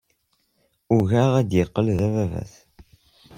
Ugaɣ ad yeqqel d ababat.